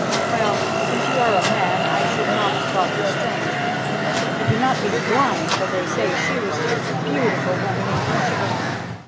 "Well, since you are a man, I should not have thought this strange, had you not been blind, for they say she was the most beautiful woman in Egypt.